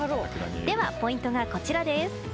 ポイントはこちらです。